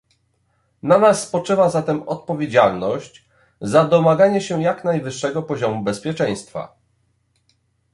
Na nas spoczywa zatem odpowiedzialność za domaganie się jak najwyższego poziomu bezpieczeństwa